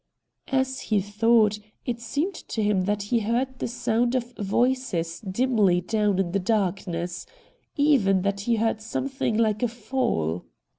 As he thought, it seemed to him that he heard the sound of voices dimly down in the darkness — even that he heard something like a fall.